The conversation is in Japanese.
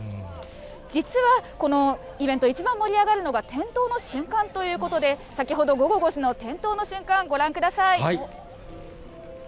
実はこのイベント、一番盛り上がるのが点灯の瞬間ということで、先ほど午後５時の点灯の瞬間、ご覧ください。